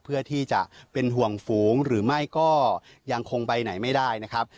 เพื่อที่จะเป็นห่วงฝูงหรือไม่ก็ยังคงไปไหนไม่ได้นะครับ